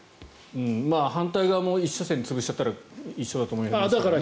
反対側も１車線を潰してしまったら一緒だと思いますから。